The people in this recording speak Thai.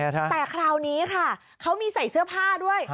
แต่คราวนี้ค่ะเขามีใส่เสื้อผ้าด้วย